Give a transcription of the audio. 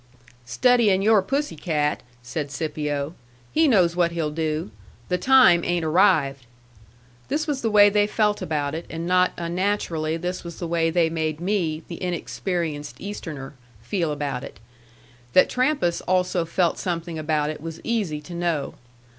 "Studying your pussy cat," said Scipio. "He knows what he'll do. The time ain't arrived." This was the way they felt about it; and not unnaturally this was the way they made me, the inexperienced Easterner, feel about it. That Trampas also felt something about it was easy to know.